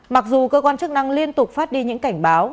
mặc dù cơ quan chức năng liên tục phát đi những cảnh báo